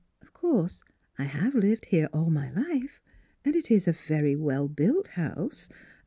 " Of course I have lived here all my life, and it is a very well built house.